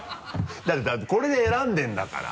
だってこれで選んでるんだから。